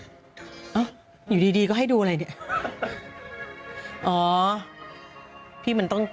เอ้าอยู่ดีดีก็ให้ดูอะไรเนี่ยอ๋อพี่มันต้อง